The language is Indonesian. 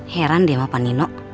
heran deh sama panino